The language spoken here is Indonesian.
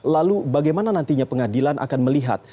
lalu bagaimana nantinya pengadilan akan melihat